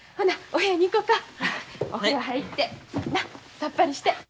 お風呂入ってなっさっぱりして。